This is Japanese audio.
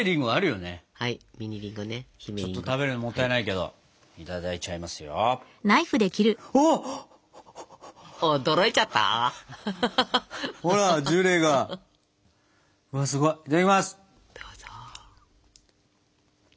どうぞ。